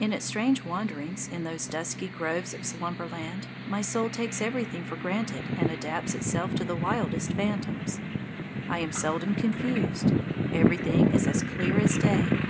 In its strange wanderings in those dusky groves of Slumberland my soul takes everything for granted and adapts itself to the wildest phantoms. I am seldom confused. Everything is as clear as day.